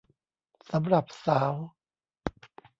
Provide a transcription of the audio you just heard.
สำหรับสาว